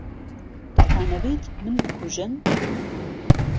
دەتانەوێت من بکوژن؟